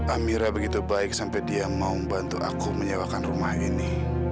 amira begitu baik sampai dia mau membantu aku menyewakan rumah ini